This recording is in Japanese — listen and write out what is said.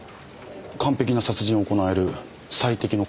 完璧な殺人を行える最適の殺し屋ですか。